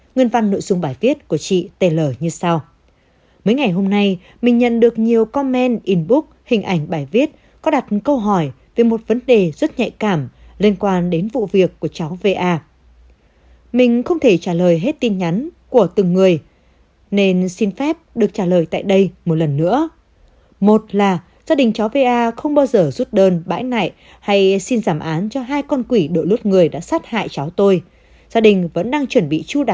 nguyễn văn nội dung bài viết của chị tề lời như sau